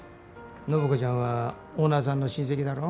暢子ちゃんはオーナーさんの親戚だろ。